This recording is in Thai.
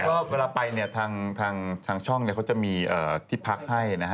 แล้วก็เวลาไปทางช่องจะมีที่พักให้